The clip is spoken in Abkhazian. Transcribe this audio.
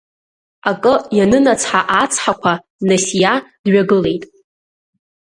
Акы ианынацҳа-аацҳақәа, Насиа дҩагылеит.